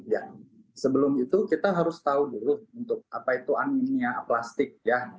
ya sebelum itu kita harus tahu dulu untuk apa itu anemia plastik ya